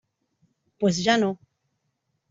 pues ya no.